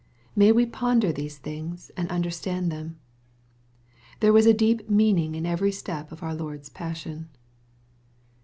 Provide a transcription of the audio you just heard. May we ponder these things and understand them. (There was a deep meaning in every step of our Lord's passion.